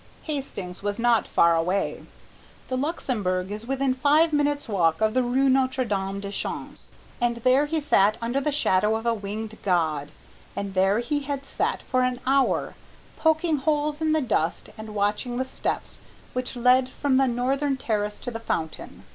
Hastings was not far away. The Luxembourg is within five minutes' walk of the rue Notre Dame des Champs, and there he sat under the shadow of a winged god, and there he had sat for an hour, poking holes in the dust and watching the steps which lead from the northern terrace to the fountain.